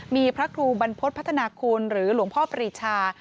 มีพระครูบรรพฤษพัฒนาคุณหรือหลวงพ่อปรีชา